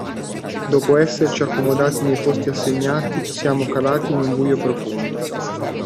Dopo esserci accomodati nei posti assegnatici siamo calati in un buio profondo.